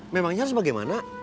memangnya harus bagaimana